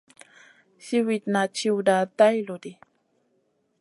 Siwitna tchiwda tay lo ɗi.